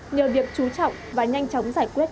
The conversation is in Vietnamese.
nhờ việc trú trọng và nhanh chóng giải quyết